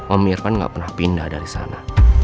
om irvan gak pernah pindah dari sana